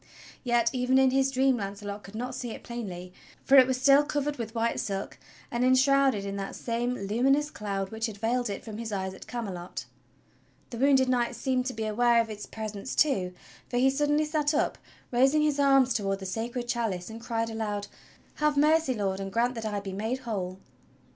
Yet even in his dream Launcelot could not see it plainly, for it was still covered with white silk and enshrouded in that same luminous cloud which had veiled it from his eyes at Camelot. The wounded Knight seemed to be aware of its presence too, for he suddenly sat up raising his arms toward the Sacred Chalice and cried aloud: "Have mercy. Lord, and grant that I be made whole!"